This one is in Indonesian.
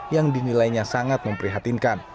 yang dinilainya sangat memprihatinkan